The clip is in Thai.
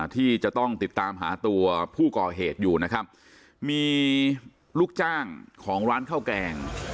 ที่จะต้องติดตามหาตัวผู้ก่อเหตุอยู่นะครับมีลูกจ้างของร้านข้าวแกง